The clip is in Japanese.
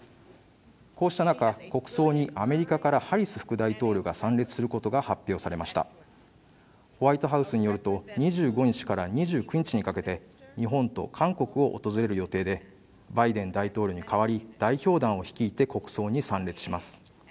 こうした中国葬にアメリカからハリス副大統領が参列することが発表されましたホワイトハウスによると２５日から２９日にかけて日本と韓国を訪れる予定でバイデン大統領に代わり代表団を率いて国葬に参列します